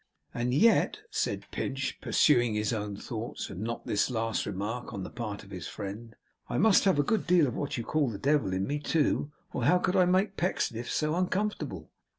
'And yet,' said Pinch, pursuing his own thoughts and not this last remark on the part of his friend, 'I must have a good deal of what you call the devil in me, too, or how could I make Pecksniff so uncomfortable?